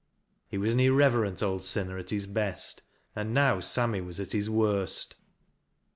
He was an irreverent old sinner at his best, and now Sammy was at his worst.